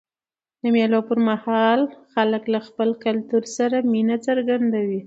د مېلو پر مهال خلک له خپل کلتور سره مینه څرګندوي.